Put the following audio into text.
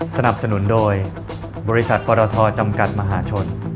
สนับสนุนโดยบริษัทปรทจำกัดมหาชน